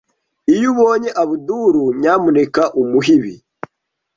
Iyo ubonye Abdul, nyamuneka umuhe ibi.